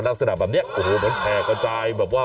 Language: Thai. ลักษณะแบบนี้โอ้โหเหมือนแผ่กระจายแบบว่า